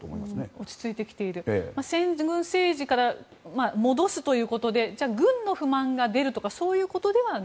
落ち着いてきている先軍政治から戻すということで軍の不満が出るとかそういうことではない？